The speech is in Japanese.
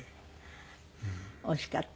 惜しかった。